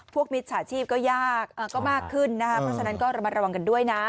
พวกมีสถาชีพก็ยากก็มากขึ้นนะคะเพราะฉะนั้นก็มาระวังกันด้วยนะ